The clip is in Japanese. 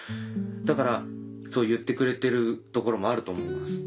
だからそう言ってくれてるところもあると思います。